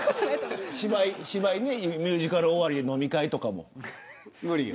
芝居、ミュージカル終わりで飲み会とかも。